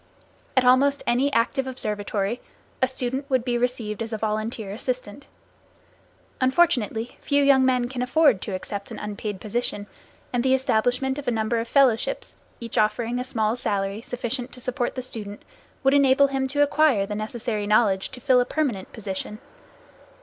At almost any active observatory a student would be received as a volunteer assistant. Unfortunately, few young men can afford to accept an unpaid position, and the establishment of a number of fellowships each offering a small salary sufficient to support the student would enable him to acquire the necessary knowledge to fill a permanent position.